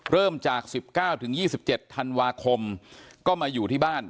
เริ่มจากสิบเก้าถึงยี่สิบเจ็ดธันวาคมก็มาอยู่ที่บ้าน